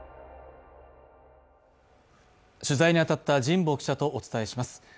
取材に当たった神保記者とお伝えします。